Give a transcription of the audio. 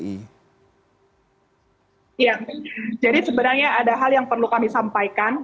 ya jadi sebenarnya ada hal yang perlu kami sampaikan